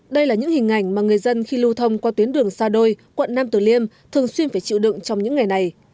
đây là những hình ảnh mà người dân khi lưu thông qua tuyến đường sa đôi quận nam tử liêm thường xuyên phải chịu đựng trong những ngày này